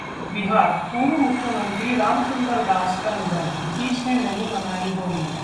बिहार: पूर्व मुख्यमंत्री राम सुन्दर दास का निधन, नीतीश ने नहीं मनाई होली